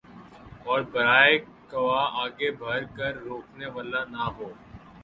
اور برائی کوآگے بڑھ کر روکنے والا نہ ہو